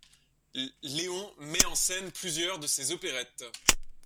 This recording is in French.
Léon met en scène plusieurs de ses opérettes.